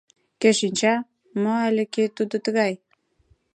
Кӧ шинча, мо але кӧ тудо тугай?